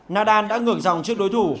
nadal đã ngược dòng trước đối thủ